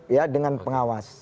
ya dengan pengawas